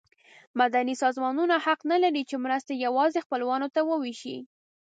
مدني سازمانونه حق نه لري چې مرستې یوازې خپلوانو ته وویشي.